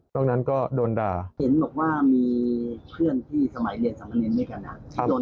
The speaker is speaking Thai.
คราวกนั้นก็โดนด่าเห็นบอกว่าที่สมัยเรียนสำเนรนไม่ค่อนข้าง